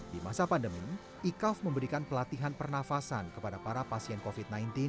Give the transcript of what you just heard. di masa pandemi ikaf memberikan pelatihan pernafasan kepada para pasien covid sembilan belas